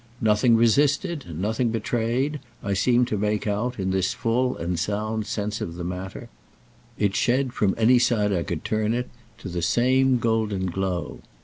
Nothing resisted, nothing betrayed, I seem to make out, in this full and sound sense of the matter; it shed from any side I could turn it to the same golden glow.